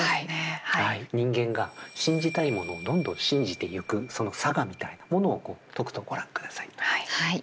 人間が信じたいものをどんどん信じてゆくそのさがみたいなものをとくとご覧くださいという。